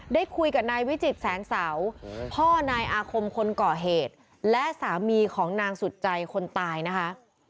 ได้คุยกับนายวิจิตแสงเสาพ่อนายอาคมคนก่อเหตุและสามีของนางสุดใจคนตายนะคะ